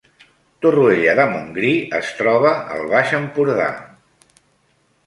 Torroella de Montgrí es troba al Baix Empordà